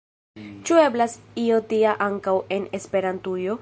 Ĉu eblas io tia ankaŭ en Esperantujo?